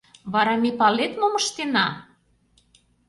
Вара ме, палет, мом ыштена?